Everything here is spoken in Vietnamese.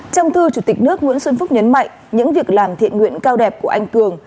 trong thư chủ tịch nước nguyễn xuân phúc nhấn mạnh những việc làm thiện nguyện cao đẹp của anh cường